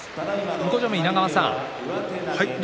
向正面の稲川さん竜